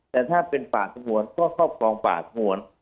แต่ถ้าเป็นป่าสงวนก็ครอบครองป่าสงวน